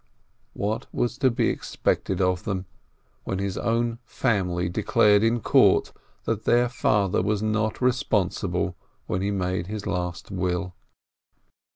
What was to be expected of them, when his own family declared in court that their father was not responsible when he made his last will?